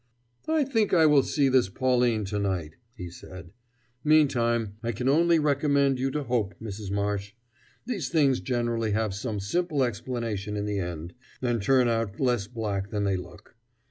"I think I will see this Pauline to night," he said. "Meantime, I can only recommend you to hope, Mrs. Marsh. These things generally have some simple explanation in the end, and turn out less black than they look.